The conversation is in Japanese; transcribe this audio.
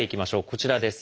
こちらです。